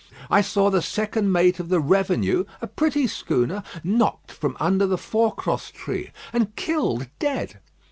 I saw the second mate of the Revenue, a pretty schooner, knocked from under the forecross tree, and killed dead.